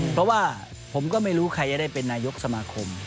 เพราะว่าผมก็ไม่รู้ใครจะได้เป็นนายกสมาคม